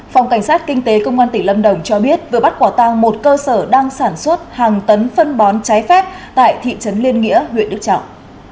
phòng cảnh sát kinh tế công an tỉnh lâm đồng cho biết vừa bắt quả tăng một cơ sở đang sản xuất hàng tấn phân bón trái phép tại thị trấn liên nghĩa huyện đức trọng